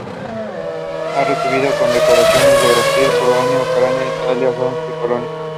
Ha recibido condecoraciones de Brasil, Croacia, Ucrania, Italia, Francia y Polonia.